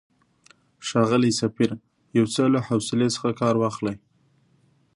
ښاغلی سفیر، یو څه له حوصلې څخه کار واخلئ.